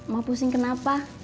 mau pusing kenapa